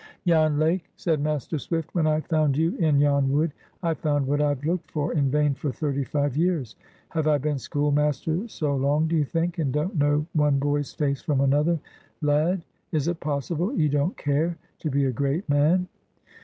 "Jan Lake," said Master Swift, "when I found you in yon wood, I found what I've looked for in vain for thirty five years. Have I been schoolmaster so long, d'ye think, and don't know one boy's face from another? Lad? is it possible ye don't care to be a great man?"